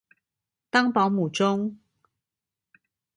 當保母中